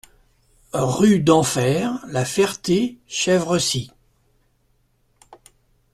Rue d'Enfer, La Ferté-Chevresis